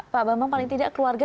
pak bambang paling tidak keluarga